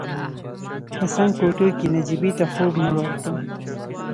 په څنګ کوټې کې نجيبې ته خوب نه ورته.